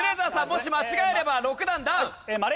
もし間違えれば６段ダウン。